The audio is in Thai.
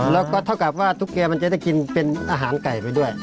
แล้วก็เท่ากับว่าตุ๊กแกมันจะได้กินเป็นอาหารไก่ไปด้วย